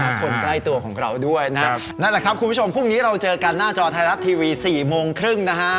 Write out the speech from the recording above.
และคนใกล้ตัวของเราด้วยนะครับนั่นแหละครับคุณผู้ชมพรุ่งนี้เราเจอกันหน้าจอไทยรัฐทีวีสี่โมงครึ่งนะฮะ